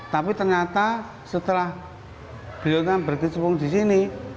tapi ternyata setelah beliau kan berkecimpung di sini